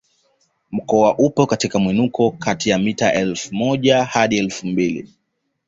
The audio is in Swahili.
Mkoa upo katika mwinuko kati ya mita elfu moja hadi elfu mbili